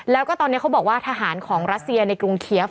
แล้วก็ตอนนี้เขาบอกว่าทหารของรัสเซียในกรุงเคีฟ